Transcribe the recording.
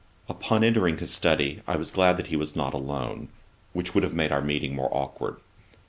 Upon entering his study, I was glad that he was not alone, which would have made our meeting more awkward.